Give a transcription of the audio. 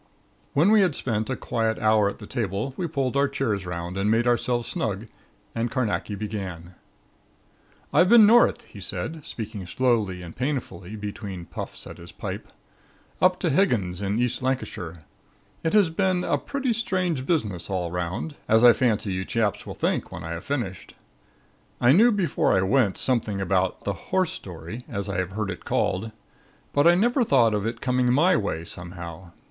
When we had spent a quiet hour at the table we pulled our chairs 'round and made ourselves snug and Carnacki began: "I've been North," he said, speaking slowly and painfully between puffs at his pipe. "Up to Hisgins of East Lancashire. It has been a pretty strange business all 'round, as I fancy you chaps will think, when I have finished. I knew before I went, something about the 'horse story,' as I have heard it called; but I never thought of it coming my way, somehow.